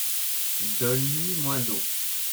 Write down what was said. Donne lui moins d'eau.